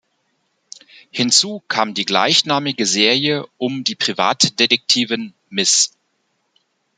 Hinzu kam die gleichnamige Serie um die Privatdetektivin "Ms.